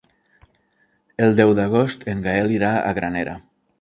El deu d'agost en Gaël irà a Granera.